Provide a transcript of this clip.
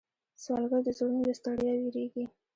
سوالګر د زړونو له ستړیا ویریږي